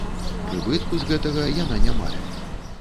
Прыбытку з гэтага яна не мае.